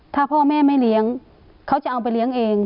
ถ้าพ่อแม่ไม่เลี้ยงเขาจะเอาไปเลี้ยงเอง